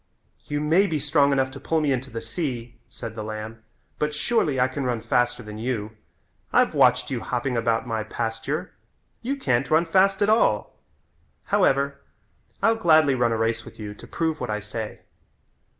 "You may be strong enough to pull me into the sea," said the lamb, "but surely I can run faster than you. I've watched you hopping about my pasture. You can't run fast at all. However, I'll gladly run a race with you to prove what I say."